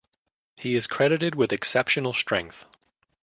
He is credited with exceptional strength.